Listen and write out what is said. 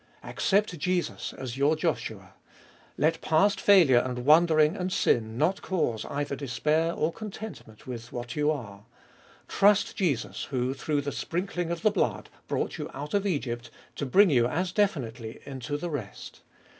Accept Jesus as your Joshua. Let past failure and wandering and sin not cause either despair or con tentment with what you are. Trust Jesus who, through the sprinkling of the blood, brought you out of Egypt, to bring you as definitely into the rest.